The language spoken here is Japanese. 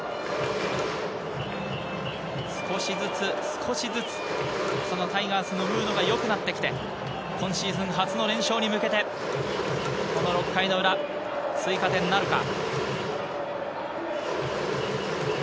少しずつタイガースのムードが良くなってきて、今シーズン初の連勝に向けて、この６回の裏、追加点なるか。